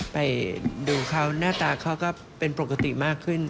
ไปดูเขาหน้าตาเขาก็เป็นปกติมากขึ้น